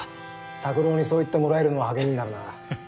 拓郎にそう言ってもらえるのは励みになるな。